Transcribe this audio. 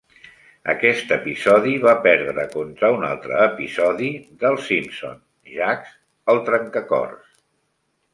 Aquest episodi va perdre contra un altre episodi d'"Els Simpson" "Jacques, el trencacors".